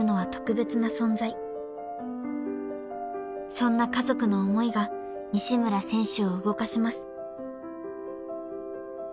［そんな家族の思いが西村選手を動かします］